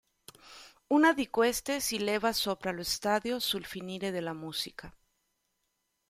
Una di queste si leva sopra lo stadio sul finire della musica.